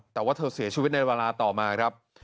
แต่ว่าเธอเสียชีวิตในเวลาต่อมาครับ